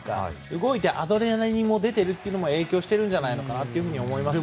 動いて、アドレナリンも出ているのも影響しているんじゃないかと思います。